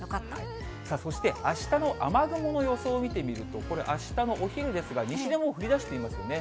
そしてあしたの雨雲の予想を見てみると、これ、あしたのお昼ですが、西でもう降りだしていますよね。